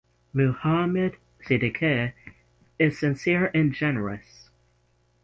Muhammed (Siddique) is sincere and generous.